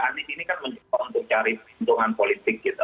andi ini kan mencoba untuk cari pintuan politik gitu